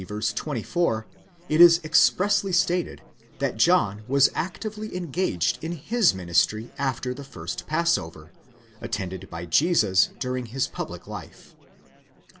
24, it is expressly stated, that John was actively engaged in his ministry after the first passover, attended by Jesus during His: public life.